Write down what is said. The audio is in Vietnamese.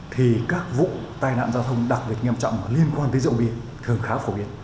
thì các vụ tai nạn giao thông đặc biệt nghiêm trọng liên quan tới rượu bia thường khá phổ biến